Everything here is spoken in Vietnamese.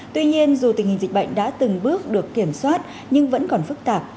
tuy nhiên dù tình hình dịch bệnh đã từng bước được kiểm soát nhưng vẫn còn phức tạp